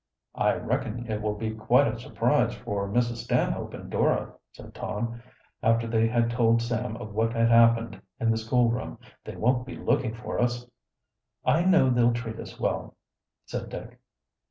"I reckon it will be quite a surprise for Mrs. Stanhope and Dora," said Tom, after they had told Sam of what had happened in the school room. "They won't be looking for us." "I know they'll treat us well," said Dick.